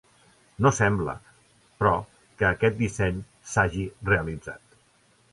No sembla, però, que aquest disseny s'hagi realitzat.